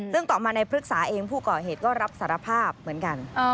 ซึ่งต่อมาในพฤกษาเองผู้ก่อเหตุก็รับสารภาพเหมือนกัน